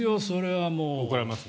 それはもう。